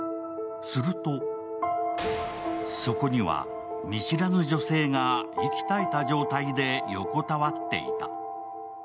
するとそこには見知らぬ女性が息絶えた状態で横たわっていた。